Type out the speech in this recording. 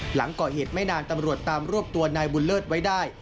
หลังก่อเหตุไม่นานตำรวจตามรวบตัวนายบุญเลิศไว้ได้